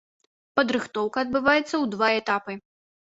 Падрыхтоўка адбываецца ў два этапы.